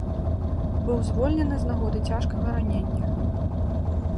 Быў звольнены з нагоды цяжкага ранення.